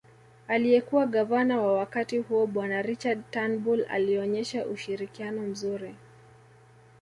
Aliyekuwa gavana wa wakati huo bwana Richard Turnbull alionyesha ushirikiano mzuri